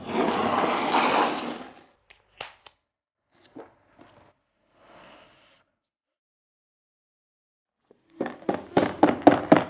hah sampe gabungin thomas